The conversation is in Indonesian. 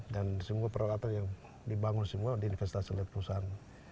dan semua peralatan yang dibangun semua di investasi oleh perusahaan